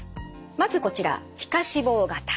まずこちら皮下脂肪型。